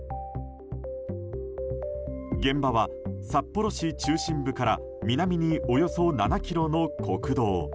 現場は札幌市中心部から南におよそ７ｋｍの国道。